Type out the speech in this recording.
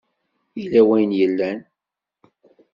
Yella wayen yellan.